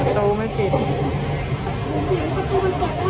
สวัสดีบางท่า